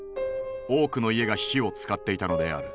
多くの家が火を使っていたのである。